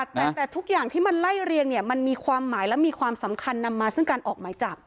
แต่ทุกอย่างที่มันไล่เรียงเนี่ยมันมีความหมายและมีความสำคัญนำมาซึ่งการออกหมายจับ